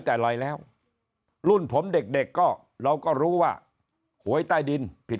แต่ไรแล้วรุ่นผมเด็กเด็กก็เราก็รู้ว่าหวยใต้ดินผิด